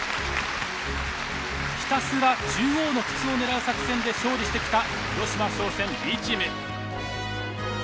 ひたすら中央の筒を狙う作戦で勝利してきた広島商船Ｂチーム。